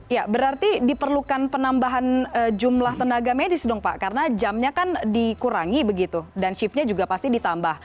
ya berarti diperlukan penambahan jumlah tenaga medis dong pak karena jamnya kan dikurangi begitu dan shiftnya juga pasti ditambah